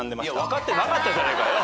分かってなかったじゃねえかよ。